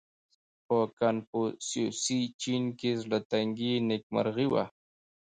• په کنفوسیوسي چین کې زړهتنګي نېکمرغي وه.